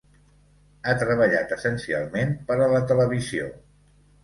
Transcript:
Ha treballat essencialment per a la televisió.